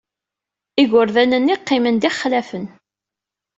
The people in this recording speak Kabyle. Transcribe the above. Igerdan-nni qqimen d ixlafen.